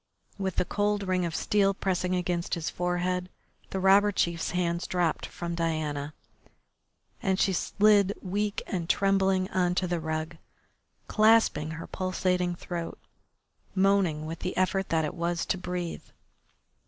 With the cold ring of steel pressing against his forehead the robber chief's hands dropped from Diana, and she slid weak and trembling on to the rug, clasping her pulsating throat, moaning with the effort that it was to breathe.